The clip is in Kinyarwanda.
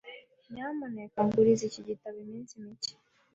Nyamuneka nguriza iki gitabo iminsi mike.